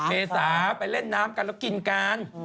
เมษาไปเล่นน้ำกันแล้วกินกัน